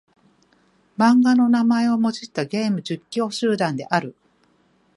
漫画の名前をもじったゲーム実況者集団である。